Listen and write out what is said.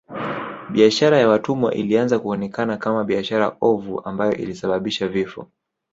Biashara ya watumwa ilianza kuonekana kama biashara ovu ambayo ilisababisha vifo